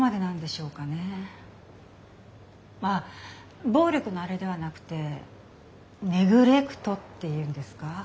あっ暴力のあれではなくてネグレクトっていうんですか？